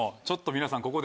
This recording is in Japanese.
ちょっと皆さん